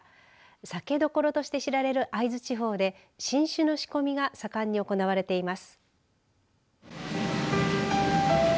酒どころとして知られる会津地方で新酒の仕込みが盛んに行われています。